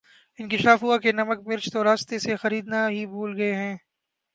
انکشاف ہوا کہ نمک مرچ تو راستے سے خریدنا ہی بھول گئے ہیں